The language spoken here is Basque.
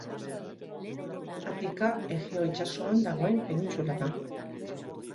Atika Egeo itsasoan dagoen penintsula da.